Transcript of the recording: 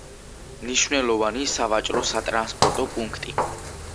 მნიშვნელოვანი სავაჭრო-სატრანსპორტო პუნქტი.